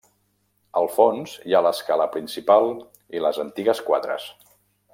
Al fons hi ha l'escala principal i les antigues quadres.